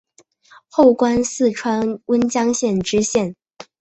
后官四川温江县知县。